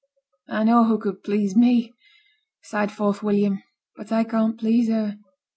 'I know who could please me,' sighed forth William, 'but I can't please her.'